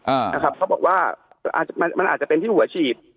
อ่านะครับเขาบอกว่ามันอาจจะเป็นที่หัวฉีด